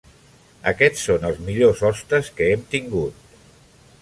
Aquests són els millors hostes que hem tingut.